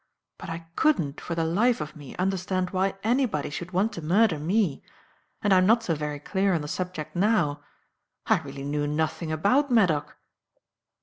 But I couldn't, for the life of me understand why anybody should want to murder me, and I am not so very clear on the subject now. I really knew nothing about Maddock."